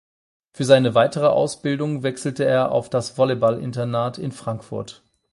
Für seine weitere Ausbildung wechselte er auf das Volleyball-Internat in Frankfurt.